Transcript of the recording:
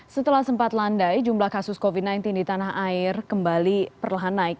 setelah sempat landai jumlah kasus covid sembilan belas di tanah air kembali perlahan naik